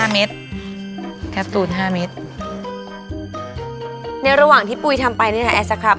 ๕เมตรแคปตูน๕เมตรในระหว่างที่ปุ๋ยทำไปเนี่ยแอสครับ